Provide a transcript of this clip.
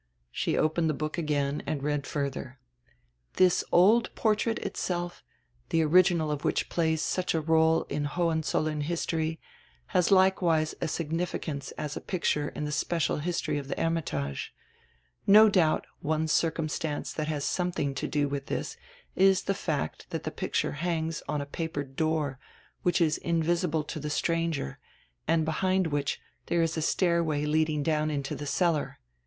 She opened die hook again and read furdier: "This old portrait itself, die original of which plays such a role in Hohenzollern history, has likewise a significance as a pic ture in the special history of die Hermitage. No douht, one circumstance diat has somediing to do with this is die fact diat die picture hangs on a papered door, which is invisihle to die stranger and behind which diere is a stairway lead ing down into die cellar.